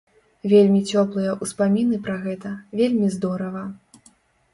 Вельмі цёплыя ўспаміны пра гэта, вельмі здорава!